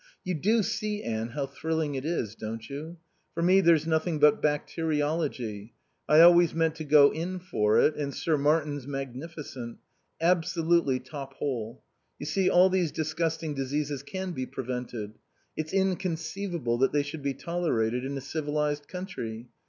"You do see, Anne, how thrilling it is, don't you? For me there's nothing but bacteriology. I always meant to go in for it, and Sir Martin's magnificent. Absolutely top hole. You see, all these disgusting diseases can be prevented. It's inconceivable that they should be tolerated in a civilized country.